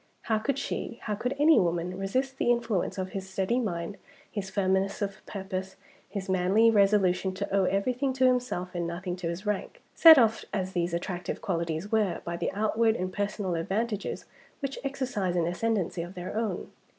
How could she how could any woman resist the influence of his steady mind, his firmness of purpose, his manly resolution to owe everything to himself and nothing to his rank, set off as these attractive qualities were by the outward and personal advantages which exercise an ascendancy of their own?